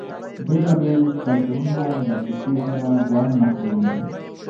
بیلابیل کلتورونه له کیسې سره ځان نښلوي.